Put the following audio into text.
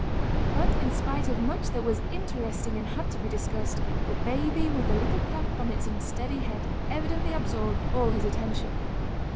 But in spite of much that was interesting and had to be discussed, the baby with the little cap on its unsteady head evidently absorbed all his attention.